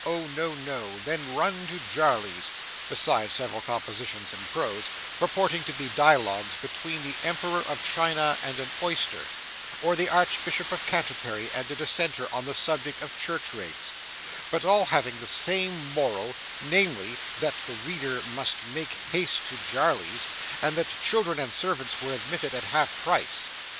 Oh no no! Then run to Jarley's besides several compositions in prose, purporting to be dialogues between the Emperor of China and an oyster, or the Archbishop of Canterbury and a dissenter on the subject of church rates, but all having the same moral, namely, that the reader must make haste to Jarley's, and that children and servants were admitted at half price.